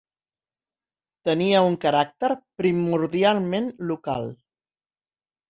Tenia un caràcter primordialment local.